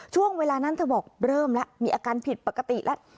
ช่วงเวลานั้นเธอบอกเริ่มแล้วมีอาการผิดปกติแล้ว